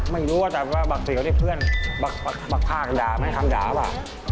ไม่รู้แต่บักเสี่ยวนี่เพื่อนบักพากด่าไหมคำด่าวะ